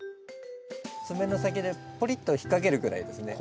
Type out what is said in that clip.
爪の先でポリッと引っ掛けるぐらいですね。